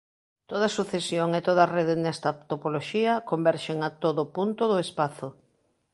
Toda sucesión e toda rede nesta topoloxía converxen a todo punto do espazo.